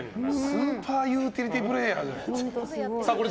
スーパーユーティリティープレーヤーじゃん。